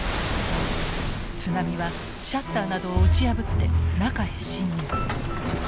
津波はシャッターなどを打ち破って中へ侵入。